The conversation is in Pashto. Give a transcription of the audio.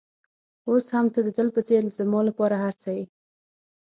اوس هم ته د تل په څېر زما لپاره هر څه یې.